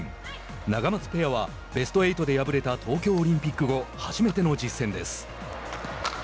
ナガマツペアはベスト８で敗れた東京オリンピック後初めての実戦です。